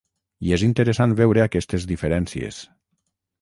I és interessant veure aquestes diferències.